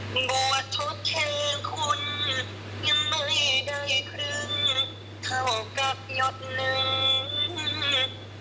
บวชทธิคุณยังไม่ได้ครึ่งเท่ากับยอดหนึ่งน้ำนม